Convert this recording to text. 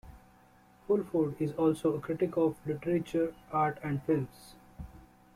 Fulford is also a critic of literature, art and films.